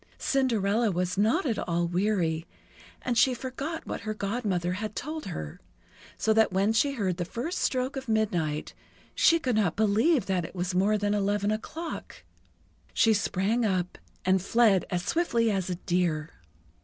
Cinderella was not at all weary, and she forgot what her Godmother had told her; so that when she heard the first stroke of midnight, she could not believe that it was more than eleven o'clock. She sprang up, and fled as swiftly as a deer.